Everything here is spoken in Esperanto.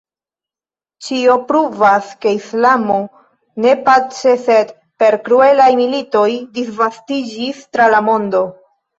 Ĉio pruvas, ke islamo ne pace sed per kruelaj militoj disvastiĝis tra la mondo.